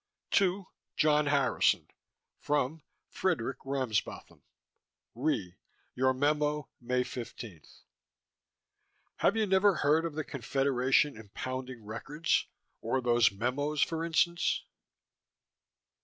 TO: John Harrison FROM: Fredk. Ramsbotham RE: Your memo May 15 Have you never heard of the Confederation impounding records? Or these memos, for instance?